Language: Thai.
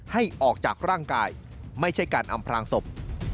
ให้ออกจากร่างกายไม่ใช่การอำพลางศพ